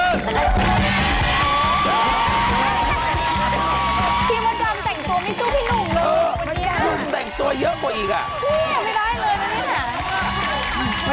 พี่มดรำแต่งตัวไม่สู้พี่หนุ่มเลย